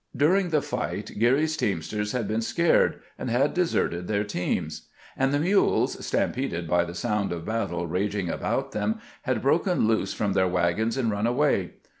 During the fight Geary's teamsters had become scared, and had deserted their teams, and the mules, stampeded by the sound of battle raging about them, had broken loose from their wagons and run away.